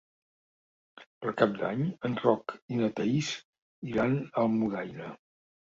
Per Cap d'Any en Roc i na Thaís iran a Almudaina.